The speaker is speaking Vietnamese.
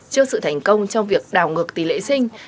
trước sự thành công trong việc đào ngược tỷ lệ sinh